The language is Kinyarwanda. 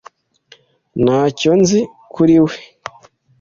Ntacyo nzi kuri we